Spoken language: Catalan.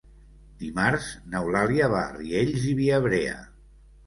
Dimarts n'Eulàlia va a Riells i Viabrea.